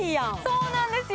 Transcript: そうなんですよ